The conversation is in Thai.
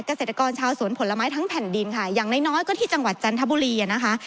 เกษตรกรชาวสวนผลไม้ทั้งแผ่นดินค่ะอย่างน้อยน้อยก็ที่จังหวัดจันทบุรีอ่ะนะคะ